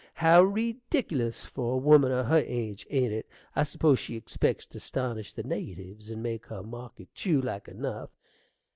How reedickilous for a woman o' her age, ain't it? I s'pose she expects t' astonish the natyves, and make her market tew, like enough.